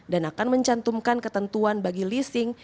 dan akan mencantumkan ketentuan bagi leasing